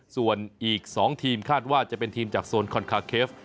ส่วนอีก๒ทีมคาดว่าจะเป็นทีมจากโซนคอนคาเคฟ